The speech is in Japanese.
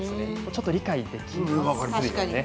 ちょっと理解できますよね。